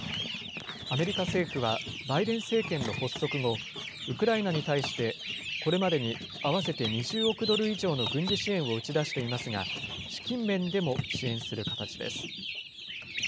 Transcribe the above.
アメリカ政府は、バイデン政権の発足後、ウクライナに対して、これまでに合わせて２０億ドル以上の軍事支援を打ち出していますが、資金面でも支援する形です。